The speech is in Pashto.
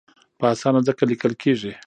په اسانه ځکه لیکل کېږي.